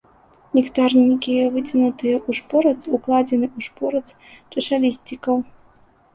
Нектарнікі выцягнутыя ў шпорац, укладзены ў шпорац чашалісцікаў.